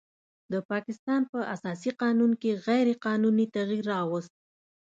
د پاکستان په اساسي قانون کې غیر قانوني تغیر راوست